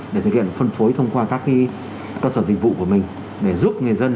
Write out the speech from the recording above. để thực hiện phân phối thông qua các cơ sở dịch vụ của mình để giúp người dân